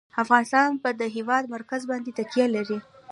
افغانستان په د هېواد مرکز باندې تکیه لري.